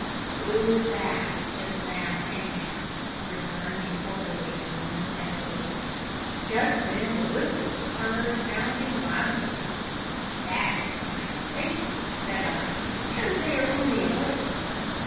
"Too fast just now, anyhow," returned the elderly gentleman testily. Just then the whistle was heard sounding violently. "That is a sign of safety," said I; "shows that they are on the alert."